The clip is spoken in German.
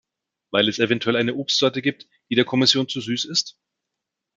Weil es eventuell eine Obstsorte gibt, die der Kommission zu süß ist?